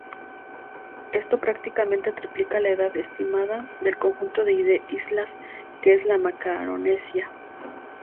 Esto prácticamente triplica la edad estimada del conjunto de islas que es la Macaronesia.